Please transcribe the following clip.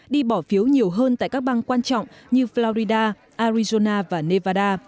đi bỏ phiếu nhiều hơn tại các bang quan trọng như florida arizona và nevada